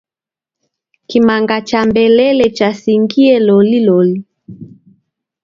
Kimanga cha mbelele chasingie loliloli.